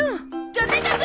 ダメだゾ！